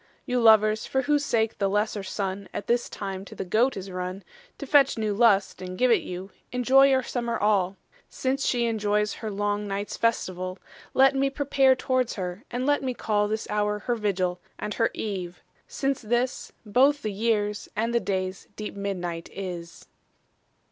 You lovers, for whose sake, the lesser Sunne At this time to the Goat is runne To fetch new lust, and give it you, Enjoy your summer all; Since shee enjoyes her long nights festivall, Let mee prepare towards her, and let mee call This houre her Vigill, and her Eve, since this Bothe the yeares, and the dayes deep midnight is.